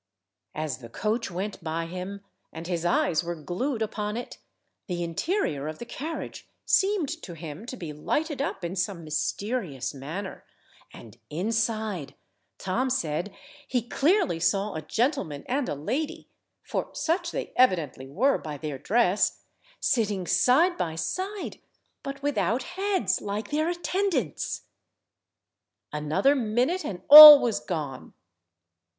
As the coach went by him, and his eyes were glued upon it, the interior of the carriage seemed to him to be lighted up in some mysterious manner, and inside, Tom said, he clearly saw a gentleman and a lady, for such they evidently were by their dress, sitting side by side, but without heads like their attendants. Another minute and all was gone.